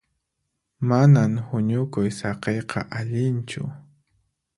Manan huñukuy saqiyqa allinchu.